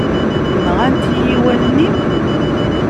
Nɣant-iyi wallen-im?